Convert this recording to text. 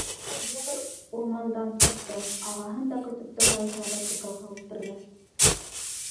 Ул йүгереп урмандан сыҡты, ағаһын да көтөп тормайынса мотоциклға ултырҙы.